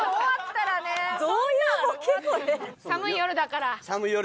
『寒い夜だから』